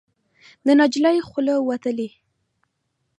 د نجلۍ خوله وتلې